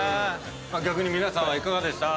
逆に皆さんはいかがでした？